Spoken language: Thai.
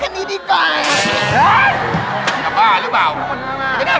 ก็เหมียงประณีเมือง